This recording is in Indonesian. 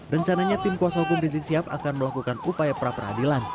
rencananya tim kuasa hukum rizik sihab akan melakukan upaya pra peradilan